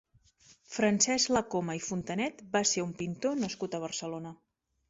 Francesc Lacoma i Fontanet va ser un pintor nascut a Barcelona.